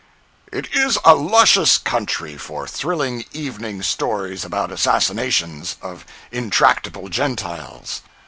It is a luscious country for thrilling evening stories about assassinations of intractable Gentiles.